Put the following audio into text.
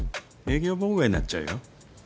営業妨害になっちゃうよ。